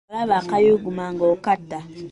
Bw’olaba kayuguuma ng'okata.